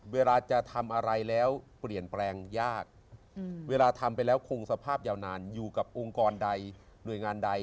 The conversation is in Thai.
เวลาทำไปแล้วคงสภาพยาวนานอยู่กับองค์กรใดหน่วยงานใด